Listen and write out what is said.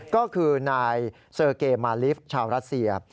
ก็คือนายเซอร์เกมาลิฟต์ชาวรัสเซีย